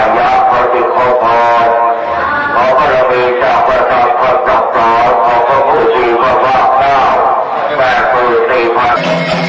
ยากพอดิโภษพระพระมีจักรกษัตริย์พันธกษาพระมูศีวภาพน้ำแม่ภูติภัณฑ์